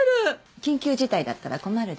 緊急事態だったら困るでしょ。